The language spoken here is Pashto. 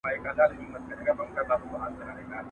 o د ډول ږغ د ليري ښه خوند کوي.